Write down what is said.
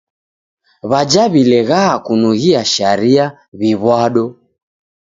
W'aja w'ileghaa kunughia sharia w'iw'ado.